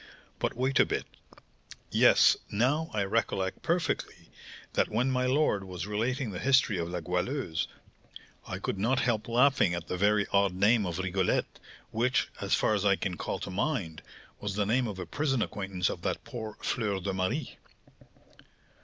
But wait a bit. Yes, now I recollect perfectly, that when my lord was relating the history of La Goualeuse, I could not help laughing at the very odd name of Rigolette, which, as far as I can call to mind, was the name of a prison acquaintance of that poor Fleur de Marie."